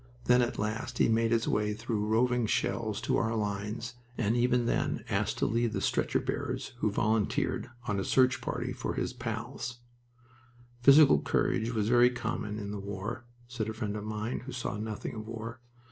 Then at last he made his way through roving shells to our lines and even then asked to lead the stretcher bearers who volunteered on a search party for his "pals." "Physical courage was very common in the war," said a friend of mine who saw nothing of war.